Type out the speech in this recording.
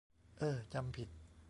เอ้อ จำผิด